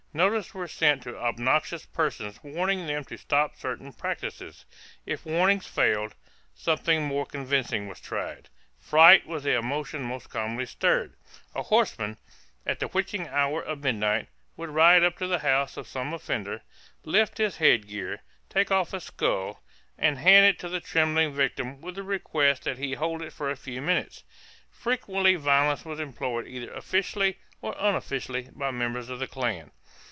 Notices were sent to obnoxious persons warning them to stop certain practices. If warning failed, something more convincing was tried. Fright was the emotion most commonly stirred. A horseman, at the witching hour of midnight, would ride up to the house of some offender, lift his head gear, take off a skull, and hand it to the trembling victim with the request that he hold it for a few minutes. Frequently violence was employed either officially or unofficially by members of the Klan.